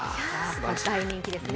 大人気ですね。